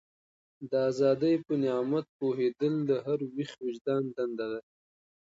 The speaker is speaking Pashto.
د ازادۍ په نعمت پوهېدل د هر ویښ وجدان دنده ده.